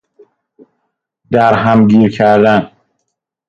در هم گیر کردن